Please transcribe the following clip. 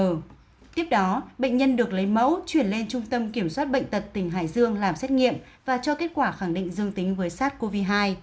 trong quá trình di chuyển bệnh nhân được lấy mẫu chuyển lên trung tâm kiểm soát bệnh tật tỉnh hải dương làm xét nghiệm và cho kết quả khẳng định dương tính với sars cov hai